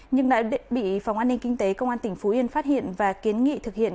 nhưng đã bị phòng an ninh kinh tế công an tỉnh phú yên phát hiện và kiến nghị thực hiện